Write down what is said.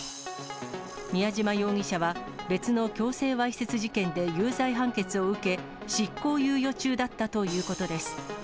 宮嶋容疑者は別の強制わいせつ事件で有罪判決を受け、執行猶予中だったということです。